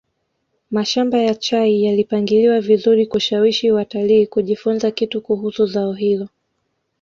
mashamba ya chai yalipangiliwa vizuri kushawishi watalii kujifunza kitu kuhusu zao hilo